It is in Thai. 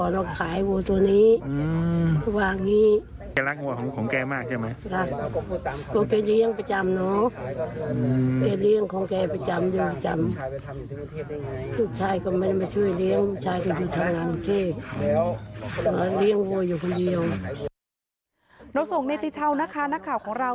เราส่งในติเช่านะคะนักข่าวของเรา